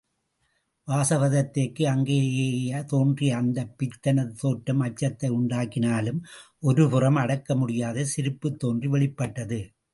வாசவதத்தைக்கும் அங்கே தோன்றிய அந்தப் பித்தனது தோற்றம் அச்சத்தை உண்டாக்கினாலும் ஒருபுறம் அடக்கமுடியாத சிரிப்பு தோன்றி வெளிப்பட்டது.